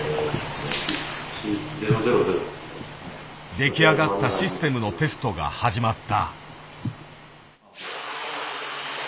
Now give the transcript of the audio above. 出来上がったシステムのテストが始まった。